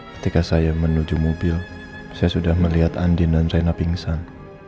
ketika saya menuju mobil saya sudah melihat andin dan china pingsan